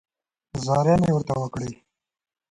زارۍ مې ورته وکړې.